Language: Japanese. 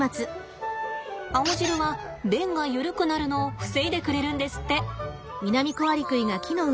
青汁は便がゆるくなるのを防いでくれるんですって。